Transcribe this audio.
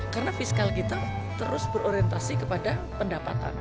karena fiskal kita terus berorientasi kepada pendapatan